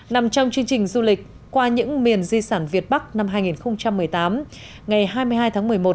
nằm trong chương trình du lịch qua những miền di sản việt bắc năm hai nghìn một mươi tám ngày hai mươi hai tháng một mươi một